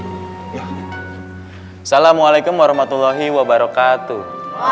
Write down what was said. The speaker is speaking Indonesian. assalamualaikum warahmatullahi wabarakatuh